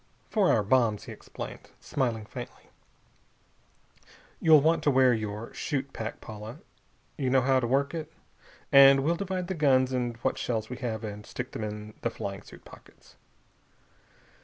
"For our bombs," he explained, smiling faintly. "You'll want to wear your chute pack, Paula. You know how to work it? And we'll divide the guns and what shells we have, and stick them in the flying suit pockets."